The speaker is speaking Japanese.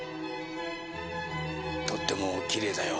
とってもきれいだよ。